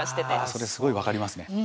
それすごい分かりますね。